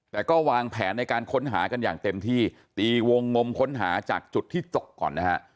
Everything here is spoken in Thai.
แต่ก็วางแผนในการค้นหากันอย่างเต็มที่ตีวงงมค้นหาจากจุดที่ตกก่อนนะฮะ